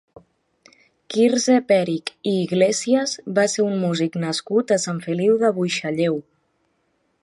Quirze Perich i Iglésias va ser un músic nascut a Sant Feliu de Buixalleu.